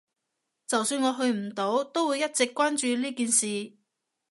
就算我去唔到，都會一直關注呢件事